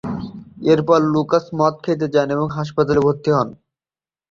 এরপর লুকাস মদ খেতে যান এবং হাসপাতালে ভর্তি হন।